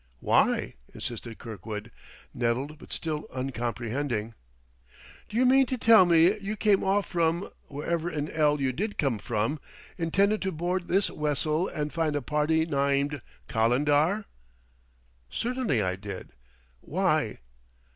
"Why?" insisted Kirkwood, nettled but still uncomprehending. "D'you mean to tell me you came off from wherever in 'ell you did come from intendin' to board this wessel and find a party nymed Calendar?" "Certainly I did. Why